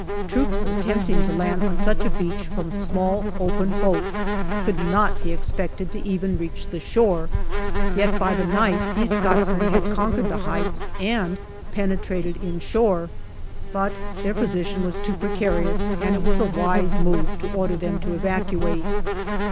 Troops attempting to land on such a beach from small open boats could not be expected to even reach the shore ; yet by the night these Scotsmen had con quered the heights and penetrated inshore. But their position was too precarious, and it was a wise move to order them to evacuate.